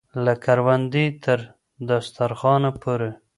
له کروندې تر دسترخانه پورې.